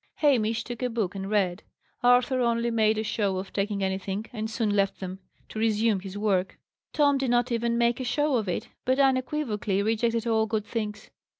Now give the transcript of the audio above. Hamish took a book and read. Arthur only made a show of taking anything, and soon left them, to resume his work; Tom did not even make a show of it, but unequivocally rejected all good things.